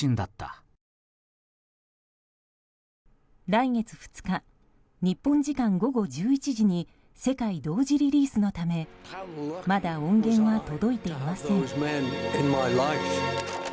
来月２日日本時間午後１１時に世界同時リリースのためまだ音源は届いていません。